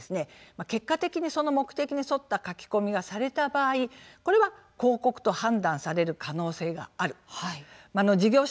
結果的にその目的に沿った書き込みがされた場合これは広告と判断される可能性がある。